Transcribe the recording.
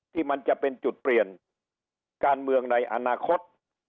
ที่มันจะเป็นจุดเปลี่ยนการเมืองในอนาคต